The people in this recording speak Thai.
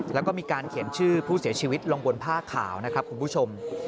แล้วก็มีการเขียนชื่อผู้เสียชีวิตลงบนผ้าขาวนะครับคุณผู้ชม